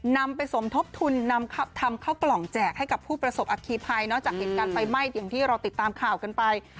นำไปสมทบทุนนำทำเข้ากล่องแจกให้กับผู้ประสบอัคคีภัยนอกจากเหตุการณ์ไฟไหม้อย่างที่เราติดตามข่าวกันไป